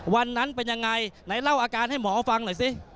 วันนั้นเป็นยังไงไหนเล่าอาการให้หมอฟังหน่อยสิ